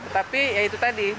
tapi ya itu tadi